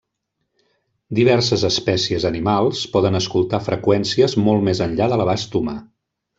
Diverses espècies animals poden escoltar freqüències molt més enllà de l'abast humà.